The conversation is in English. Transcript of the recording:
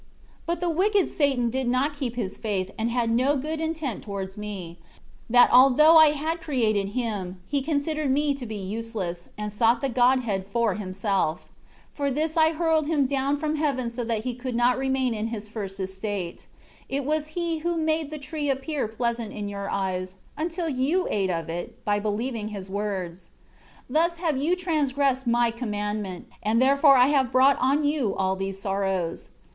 7 But the wicked Satan did not keep his faith and had no good intent towards Me, that although I had created him, he considered Me to be useless, and sought the Godhead for himself; for this I hurled him down from heaven so that he could not remain in his first estate it was he who made the tree appear pleasant in your eyes, until you ate of it, by believing his words. 8 Thus have you transgressed My commandment, and therefore I have brought on you all these sorrows.